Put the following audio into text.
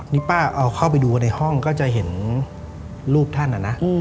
นี่ป้าเอาเข้าไปดูในห้องก็จะเห็นรูปท่านนะนะ